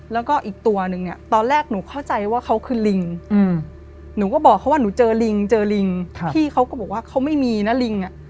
แล้วก็อีกตัวนึงเนี่ยตอนแรกหนูเข้าใจว่าเขาคือลิงหนูก็บอกเขาว่าหนูเจอลิงเจอลิงพี่เขาก็บอกว่าเขาไม่มีนะลิงอ่ะ